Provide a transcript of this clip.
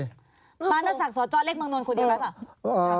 มานาสักสตเล็กเมืองนลคนเดียวไหมคะ